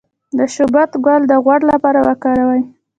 د شبت ګل د غوړ لپاره وکاروئ